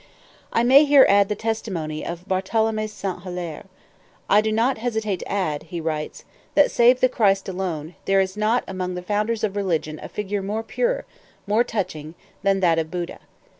I may here add the testimony of Barthélemy Saint Hilaire: "I do not hesitate to add," he writes, "that, save the Christ alone, there is not among the founders of religion a figure more pure, more touching, than that of Buddha.